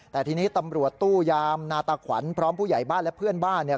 แต่ทีนี้ตำรวจตู้ยามนาตาขวัญพร้อมผู้ใหญ่บ้านและเพื่อนบ้านเนี่ย